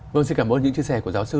vâng xin cảm ơn những chia sẻ của giáo sư